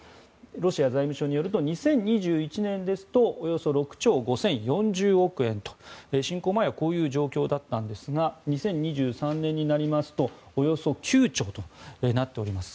ロシア財務省によると２０２１年ですとおよそ６兆５０４０億円と侵攻前はこういう状況だったんですが２０２３年になりますとおよそ９兆となっております。